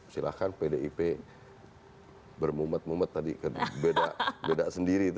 silahkan pdip bermumet mumet tadi beda sendiri